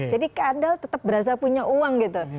jadi keandal tetap berasa punya uang gitu